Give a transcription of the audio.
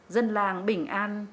dân làng bình an